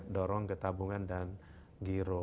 dorong ke tabungan dan giro